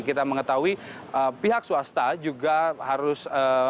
kita mengetahui pihak swasta juga harus